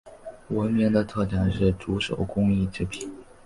闻名的特产是竹手工艺品。